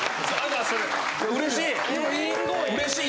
うれしい！